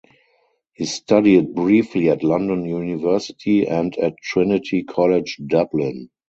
He studied briefly at London University and at Trinity College Dublin.